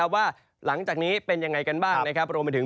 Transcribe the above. ว่าหลังจากนี้เป็นยังไงกันบ้าง